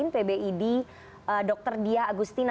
pbid dr dia agustina